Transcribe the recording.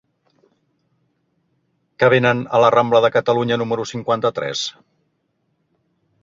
Què venen a la rambla de Catalunya número cinquanta-tres?